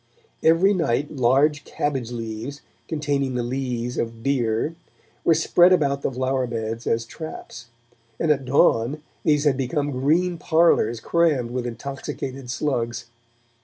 Every night large cabbage leaves, containing the lees of beer, were spread about the flower beds as traps, and at dawn these had become green parlours crammed with intoxicated slugs.